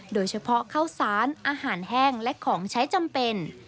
โดยเฉพาะข้าวสารอาหารแห้งและของใช้จำเป็น